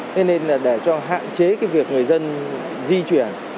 thế nên là để cho hạn chế cái việc người dân di chuyển